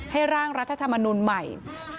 ร่างรัฐธรรมนุนใหม่